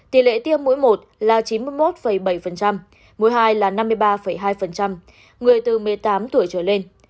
tỷ lệ tiêm mũi một là chín mươi một bảy mũi hai là năm mươi ba hai người từ một mươi tám tuổi trở lên